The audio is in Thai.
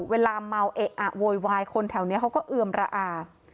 เวลาเมาเอะอะโวยวายคนแถวนี้เขาก็เอือมระอา